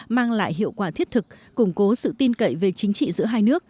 mang lại hiệu quả thiết thực củng cố sự tin cậy về chính trị giữa hai nước